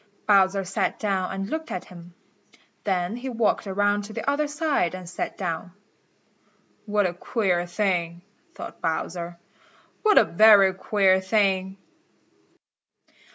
Bowser sat down and looked at him. Then he walked around to the other side and sat down. "What a queer thing," thought Bowser. "What a very queer thing."